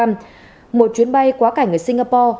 một chuyến bay quá cảnh ở singapore